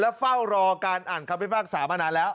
เฝ้ารอการอ่านคำพิพากษามานานแล้ว